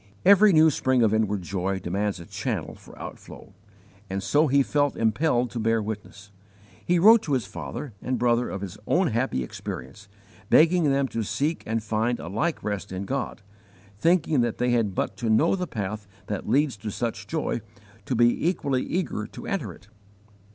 Every new spring of inward joy demands a channel for outflow, and so he felt impelled to bear witness. He wrote to his father and brother of his own happy experience, begging them to seek and find a like rest in God, thinking that they had but to know the path that leads to such joy to be equally eager to enter it.